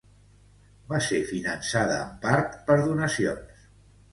Va ser finançada en part per donacions.